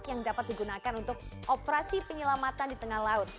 yang dapat digunakan untuk operasi penyelamatan di tengah laut